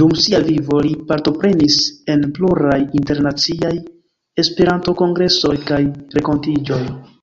Dum sia vivo li partoprenis en pluraj internaciaj e-kongresoj kaj renkontiĝoj.